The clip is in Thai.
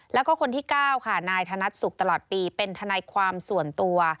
แล้วก็คนที่๙ค่ะนายธนัดสุขตลอดปีเป็นทนายความส่วนตัว